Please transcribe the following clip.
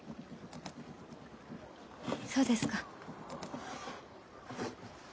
そうですか。